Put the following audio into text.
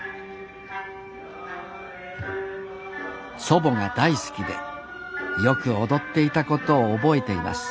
祖母が大好きでよく踊っていたことを覚えています。